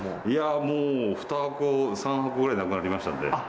いやもう２箱３箱ぐらいなくなりましたんで。